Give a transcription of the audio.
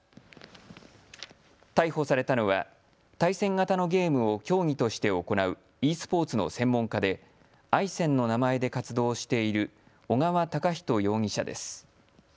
逮捕されたのは対戦型のゲームを競技として行うｅスポーツの専門家でｉＳｅＮＮの名前で活動している小川敬士容疑者です。